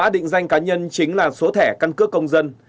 định danh cá nhân chính là số thẻ căn cước công dân